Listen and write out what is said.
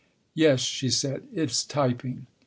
" Yes," she said, "it's typing.